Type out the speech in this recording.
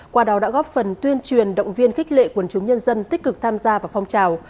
qua đó đã góp phần tuyên truyền động viên khích lệ quần chúng nhân dân tích cực tham gia vào phong trào